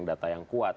data yang kuat